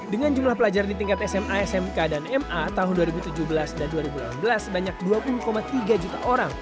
dengan jumlah pelajar di tingkat sma smk dan ma tahun dua ribu tujuh belas dan dua ribu delapan belas sebanyak dua puluh tiga juta orang